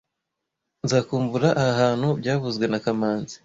Nzakumbura aha hantu byavuzwe na kamanzi